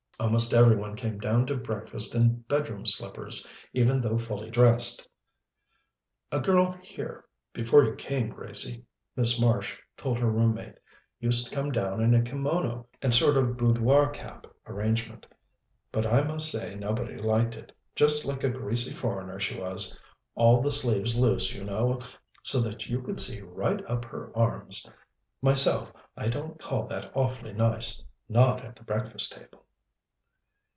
Almost every one came down to breakfast in bedroom slippers, even though fully dressed. "A girl here before you came, Gracie," Miss Marsh told her room mate, "used to come down in a kimono and sort of boudoir cap arrangement. But I must say nobody liked it just like a greasy foreigner, she was. All the sleeves loose, you know, so that you could see right up her arms. Myself, I don't call that awfully nice not at the breakfast table."